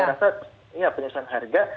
saya rasa iya penyesuaian harga